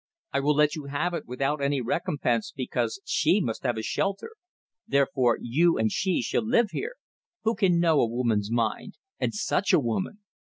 I will let you have it without any recompense because she must have a shelter. Therefore you and she shall live here. Who can know a woman's mind? And such a woman!